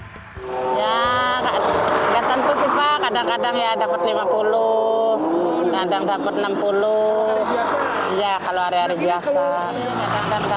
tentu sih pak kadang kadang dapat lima puluh kadang dapat enam puluh ya kalau hari hari biasa